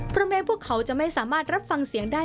เพราะแม้พวกเขาจะไม่สามารถรับฟังเสียงได้